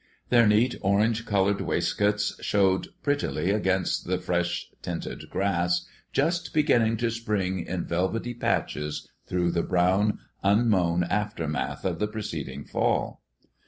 Their neat orange colored waistcoats showed prettily against the fresh tinted grass, just beginning to spring in velvety patches through the brown, unmown aftermath of the preceding fall.